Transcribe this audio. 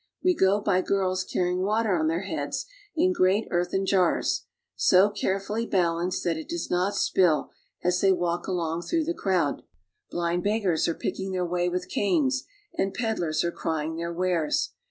We go by girls carrying water on their heads in great earthen jars, so carefully balanced that it does not spill as they walk along through the crowd. Blind beggars are picking their way with canes, and peddlers are crying their wares.